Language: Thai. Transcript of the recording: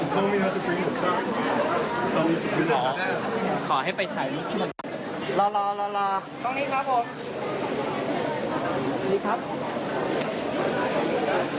ตรงนี้ครับผม